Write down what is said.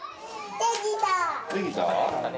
できた？